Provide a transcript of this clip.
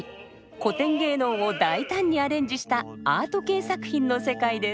古典芸能を大胆にアレンジしたアート系作品の世界です。